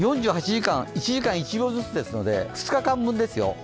４８時間、１時間１秒ずつですので２日間分ですよ。